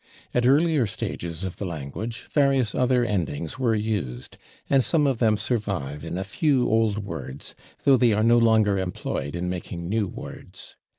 At earlier stages of the language various other endings were used, and some of them survive in a few old words, though they are no longer employed in making new words.